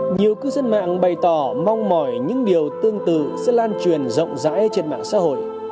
nhiều cư dân mạng bày tỏ mong mỏi những điều tương tự sẽ lan truyền rộng rãi trên mạng xã hội